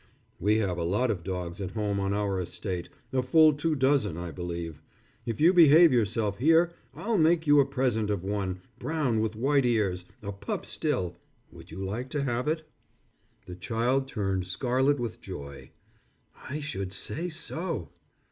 "We have a lot of dogs at home on our estate, a full two dozen, I believe. If you behave yourself here I'll make you a present of one, brown with white ears, a pup still. Would you like to have it?" The child turned scarlet with joy. "I should say so."